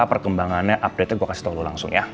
perkembangannya updatenya gue kasih tau lo langsung ya